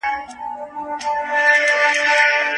آیا خلک د خپلو حقونو لپاره مبارزه کوي؟